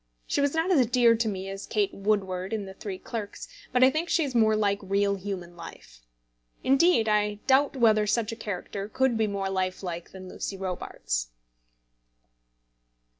She was not as dear to me as Kate Woodward in The Three Clerks, but I think she is more like real human life. Indeed I doubt whether such a character could be made more lifelike than Lucy Robarts.